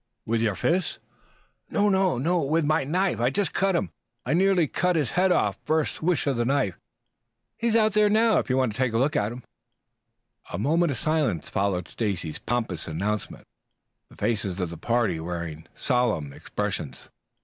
"With your fist?" "No, with my knife. I just cut him. I nearly cut his head off the first swish of the knife. He's out there now if you want to look at him." A moment of silence followed Stacy's pompous announcement, the faces of the party wearing solemn expressions.